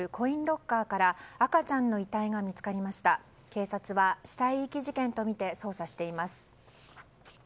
警察は死体遺棄事件とみて捜査しています。